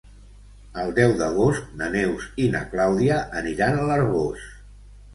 El deu d'agost na Neus i na Clàudia aniran a l'Arboç.